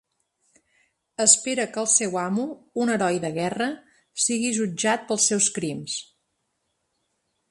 Espera que el seu amo, un heroi de guerra, sigui jutjat pels seus crims.